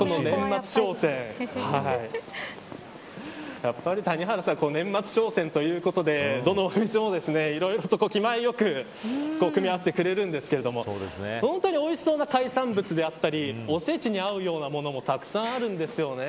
やっぱり、谷原さん年末商戦ということでどのお店も、いろいろと気前よく組み合わせてくれるんですけど本当においしそうな海産物だったりおせちに合うような物もたくさんあるんですよね。